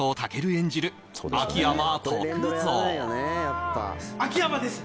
演じる秋山篤蔵秋山です